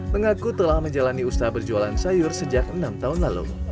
mengaku telah menjalani usaha berjualan sayur sejak enam tahun lalu